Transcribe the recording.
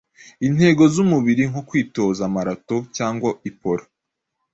Intego zumubiri nko kwitoza marato cyangwa iporo